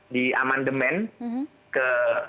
di amandemen ke dua